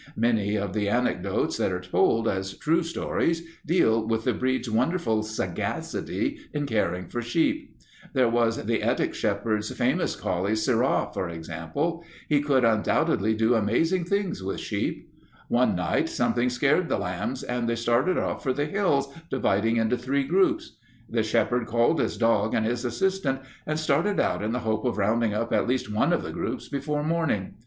Many of the anecdotes that are told as true stories deal with the breed's wonderful sagacity in caring for sheep. There was the Ettrick Shepherd's famous collie Sirrah, for example. He could undoubtedly do amazing things with sheep. One night something scared the lambs, and they started off for the hills, dividing into three groups. The shepherd called his dog and his assistant and started out in the hope of rounding up at least one of the groups before morning.